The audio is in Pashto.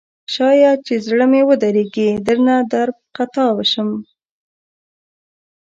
شاید چې زړه مې ودریږي درنه درب خطا شم